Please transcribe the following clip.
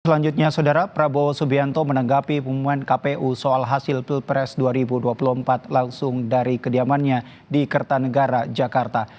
selanjutnya saudara prabowo subianto menanggapi pengumuman kpu soal hasil pilpres dua ribu dua puluh empat langsung dari kediamannya di kertanegara jakarta